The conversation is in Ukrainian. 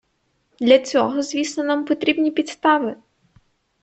Для цього, звісно, нам потрібні підстави.